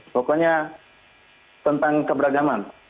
pokoknya tentang keberagaman